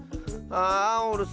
あおるす